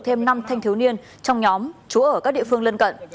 thêm năm thanh thiếu niên trong nhóm chú ở các địa phương lân cận